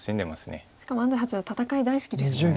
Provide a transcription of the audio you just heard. しかも安斎八段戦い大好きですもんね。